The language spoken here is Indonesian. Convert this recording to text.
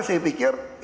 saya pikir ini sama saja